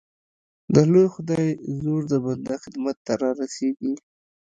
د لوی خدای زور د بنده خدمت ته را رسېږي.